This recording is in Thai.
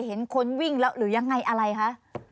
เห็นคนวิ่งแล้วหรือยังไงอะไรคะ